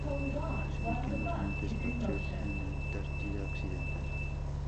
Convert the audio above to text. Se ubicaba en los montes Patriot, en la Antártida Occidental.